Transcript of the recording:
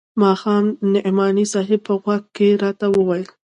ماښام نعماني صاحب په غوږ کښې راته وويل.